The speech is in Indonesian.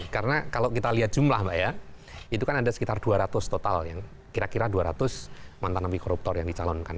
karena kalau kita lihat jumlah mbak ya itu kan ada sekitar dua ratus total yang kira kira dua ratus mantan epikoruptor yang dicalonkan